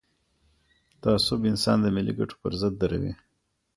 تعصب انسان د ملي ګټو پر ضد دروي.